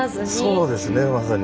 そうですねまさに。